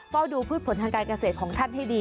เป้าดูผู้ผลทางการเกษตรของท่านให้ดี